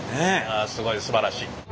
すごいすばらしい。